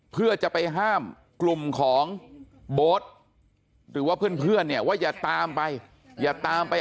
เพื่อจะไปห้ามกลุ่มของโบ๊ทหรือว่าเพื่อนเนี่ยว่าอย่าตามไปอย่าตามไป